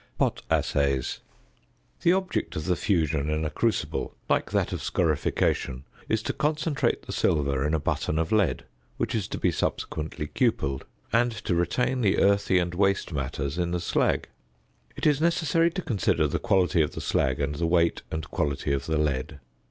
POT ASSAYS. The object of the fusion in a crucible, like that of scorification, is to concentrate the silver in a button of lead which is to be subsequently cupelled; and to retain the earthy and waste matters in the slag. It is necessary to consider the quality of the slag and the weight and quality of the lead.